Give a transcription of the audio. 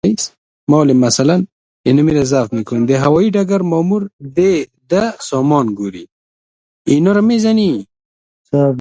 د هوايي ډګر مامور د ده سامان ګوري.